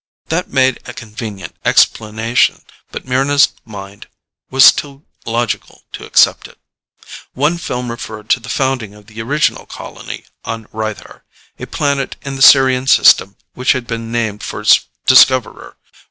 That made a convenient explanation, yet Mryna's mind was too logical to accept it. One film referred to the founding of the original colony on Rythar, a planet in the Sirian System which had been named for its discoverer.